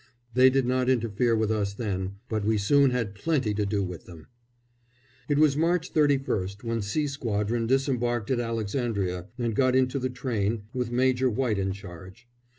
They did not interfere with us then, but we soon had plenty to do with them. It was March 31st when C Squadron disembarked at Alexandria and got into the train, with Major White in charge.